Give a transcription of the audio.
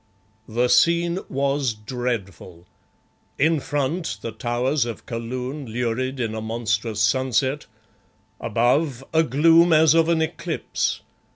The scene was dreadful. In front, the towers of Kaloon lurid in a monstrous sunset. Above, a gloom as of an eclipse.